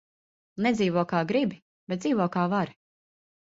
Nedzīvo, kā gribi, bet dzīvo, kā vari.